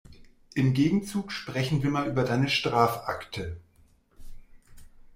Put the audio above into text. Im Gegenzug sprechen wir mal über deine Strafakte.